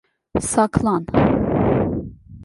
Saklan!